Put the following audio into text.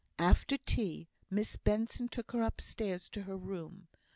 After tea, Miss Benson took her upstairs to her room.